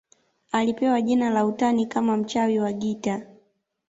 Alipewa jina la utani kama mchawi wa gitaa